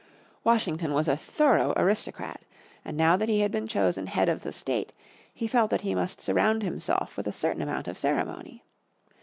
Washington was a thorough aristocrat and now that he had been chosen head of the State he felt that he must surround himself with a certain amount of ceremony.